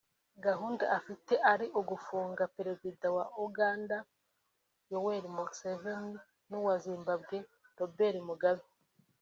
gahunda afite ari ugufunga Perezida wa Uganda Yoweri Museveni n’uwa Zimbabwe Robert Mugabe